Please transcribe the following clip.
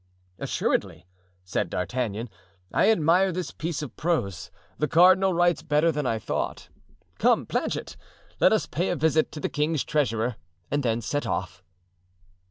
"Assuredly," said D'Artagnan, "I admire this piece of prose. The cardinal writes better than I thought. Come, Planchet, let us pay a visit to the king's treasurer and then set off."